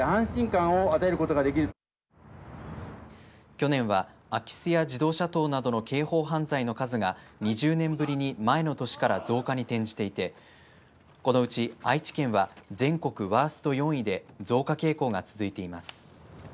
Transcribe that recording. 去年は空き巣や自動車盗などの刑法犯罪の数が２０年ぶりに前の年から増加に転じていてこのうち愛知県は全国ワースト４位で増加傾向が続いています。